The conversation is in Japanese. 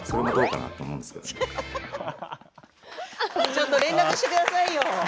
ちょっと連絡してくださいよ。